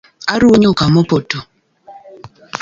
Aruwo nyuka mopoto